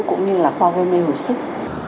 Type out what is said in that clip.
cũng như là khoa gây mê hồi sức